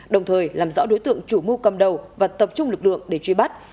đồng thời làm rõ đối tượng chủ mưu cầm đầu và tập trung lực lượng để truy bắt